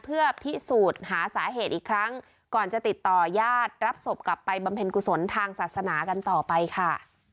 เพื่อพิสูจน์หาสาเหตุอีกครั้งก่อนจะติดต่อยาดรับศพกลับไปบำเพ็ญกุศลทางศาสนากันต่อไปค่ะ